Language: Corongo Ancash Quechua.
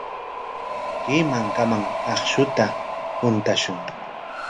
Kay mankaman akshuta huntashun.